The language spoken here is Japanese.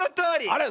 あれ？